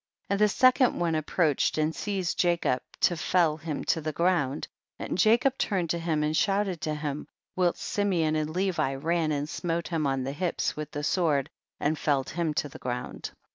59. And the second one approach ed and seized Jacob to fell him to the ground, and Jacob turned to him and shouted to him, whilst Simeon and Levi ran and smote him on the hips with the sword and felled him to the ground.